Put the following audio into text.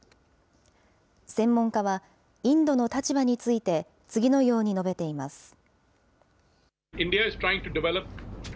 専門家は、インドの立場について次のように述べています。